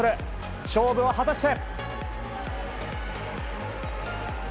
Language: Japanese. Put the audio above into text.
勝負は果たして。